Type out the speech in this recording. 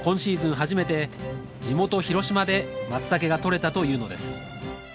初めて地元広島でマツタケが採れたというのです。